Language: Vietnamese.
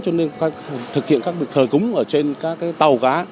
cho nên thực hiện các thời cúng ở trên các tàu gá